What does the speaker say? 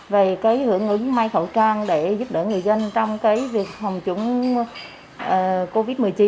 về cái hưởng ứng may khẩu trang để giúp đỡ người dân trong việc phòng chủng covid một mươi chín